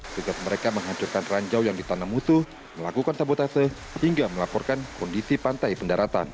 sejak mereka menghancurkan ranjau yang ditanam musuh melakukan sabotase hingga melaporkan kondisi pantai pendaratan